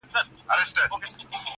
سترگه وره مي په پت باندي پوهېږي,